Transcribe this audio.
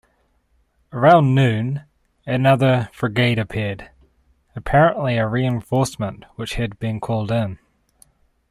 Around noon, another frigate appeared, apparently a reinforcement which had been called in.